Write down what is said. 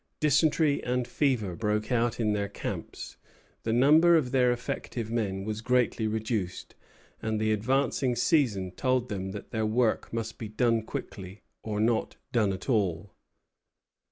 Dysentery and fever broke out in their camps, the number of their effective men was greatly reduced, and the advancing season told them that their work must be done quickly, or not done at all.